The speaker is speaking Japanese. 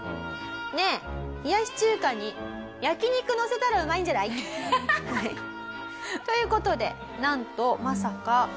「ねえ冷やし中華に焼肉のせたらうまいんじゃない？」。という事でなんとまさか冷やし中華の上に